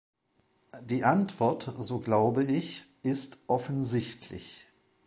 Die Antwort, so glaube ich, ist offensichtlich.